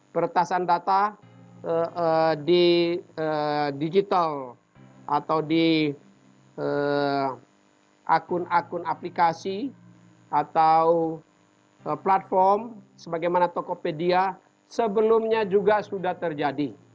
peretasan data di digital atau di akun akun aplikasi atau platform sebagaimana tokopedia sebelumnya juga sudah terjadi